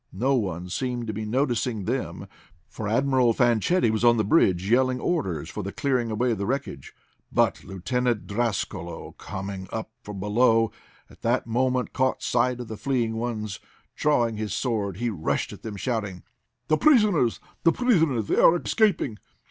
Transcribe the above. No one seemed to be noticing them, for Admiral Fanchetti was on the bridge, yelling orders for the clearing away of the wreckage. But Lieutenant Drascalo, coming up from below at that moment, caught sight of the fleeing ones. Drawing his sword, he rushed at them, shouting: "The prisoners! The prisoners! They are escaping!"